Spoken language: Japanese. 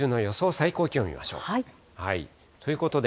最高気温見ましょう。ということで。